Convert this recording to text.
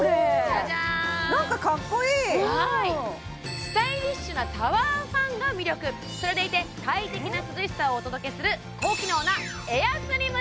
じゃじゃーんなんかかっこいいはいスタイリッシュなタワーファンが魅力それでいて快適な涼しさをお届けする高機能なえ